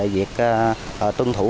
việc tuân thủ